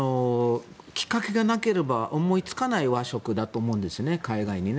きっかけがなければ思いつかない和食だと思うんですね、海外にね。